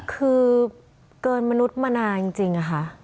คือเกินมนุษย์มานานจริงค่ะ